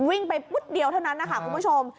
วิ่งไปเดียวเท่านั้นคุณผู้ชม